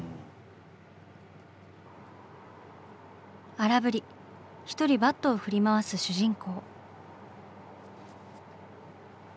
荒ぶり一人バットを振り回す主人公。